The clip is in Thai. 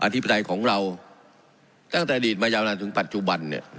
ธิปไตยของเราตั้งแต่อดีตมายาวนานถึงปัจจุบัน